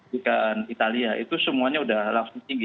jika italia itu semuanya sudah langsung tinggi